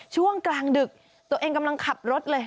ช่วงกลางดึกตัวเองกำลังขับรถเลย